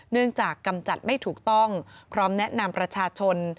จากกำจัดไม่ถูกต้องพร้อมแนะนำประชาชน